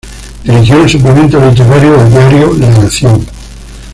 Dirigió el suplemento literario del diario La Nación.